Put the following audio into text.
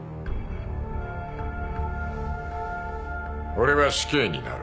俺は死刑になる。